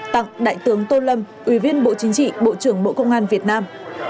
tặng đại tướng tô lâm ủy viên bộ chính trị bộ trưởng bộ công an việt nam